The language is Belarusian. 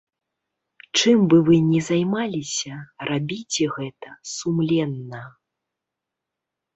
Чым бы вы ні займаліся, рабіце гэта сумленна.